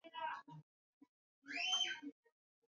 na mchanganyiko wa vitu vyenye madhara